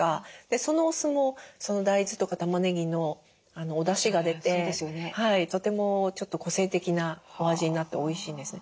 そのお酢も大豆とかたまねぎのおだしが出てとてもちょっと個性的なお味になっておいしいんですね。